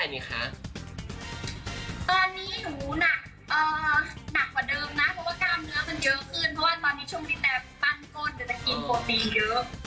ตอนนี้หนักกว่าเดิมนะเพราะว่ากล้ามเนื้อมันเยอะขึ้นเพราะว่าตอนนี้ช่วงนี้แต่ปั้นก้นเดี๋ยวแต่กินโคบีเยอะ